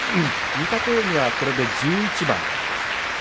御嶽海はこれで１１番。